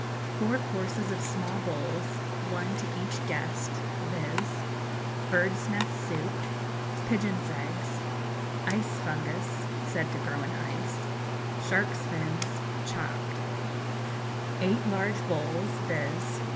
4 courses of small bowls, one to each guest, viz. Bird's nest Soup Pigeon's Eggs Ice Fungus (said to grow in ice) Shark's Fins (chopped) 8 large bowls, viz.